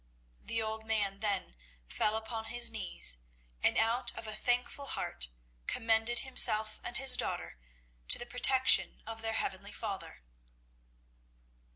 The old man then fell upon his knees, and out of a thankful heart commended himself and his daughter to the protection of their heavenly Father.